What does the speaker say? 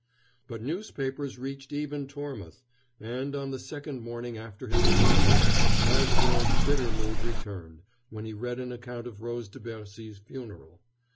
But newspapers reached even Tormouth, and, on the second morning after his arrival, Osborne's bitter mood returned when he read an account of Rose de Bercy's funeral.